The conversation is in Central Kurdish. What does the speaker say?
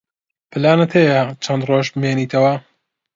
پلانت هەیە چەند ڕۆژ بمێنیتەوە؟